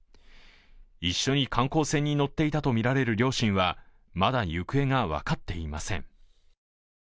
一緒に観光船に乗っていたとみられる両親はまだ行方が分かっていません。